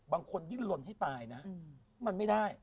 บางคนดิ้นลนให้ตายนะมันไม่ได้